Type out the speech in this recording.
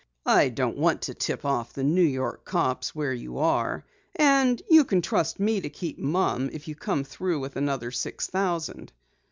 I don't want to tip off the New York cops where you are, and you can trust me to keep mum if you come through with another six thousand.